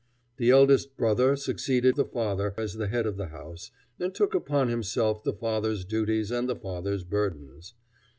The eldest brother succeeded the father as the head of the house, and took upon himself the father's duties and the father's burdens.